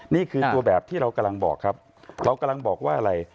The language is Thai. นี่คือตัวแบบที่เรากำลังบอกครับเรากำลังบอกว่าอะไร